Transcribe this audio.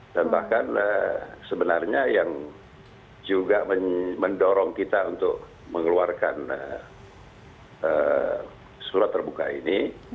dan bahkan sebenarnya yang juga mendorong kita untuk mengeluarkan slot terbuka ini